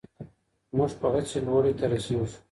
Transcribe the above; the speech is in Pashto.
موږ په هڅي لوړي ته رسېږو